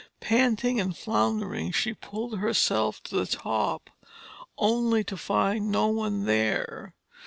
Panting and floundering, she pulled herself to the top, only to find no one there.